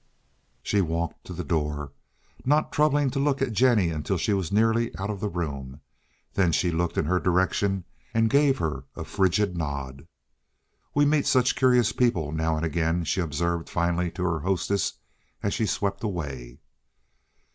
She walked to the door, not troubling to look at Jennie until she was nearly out of the room. Then she looked in her direction, and gave her a frigid nod. "We meet such curious people now and again," she observed finally to her hostess as she swept away.